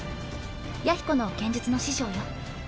弥彦の剣術の師匠よ。